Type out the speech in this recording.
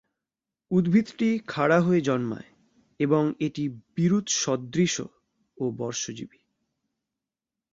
উদ্ভিদটি খাড়া হয়ে জন্মায় এবং এটি বীরুৎ সদৃশ ও বর্ষজীবী।